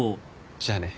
じゃあね。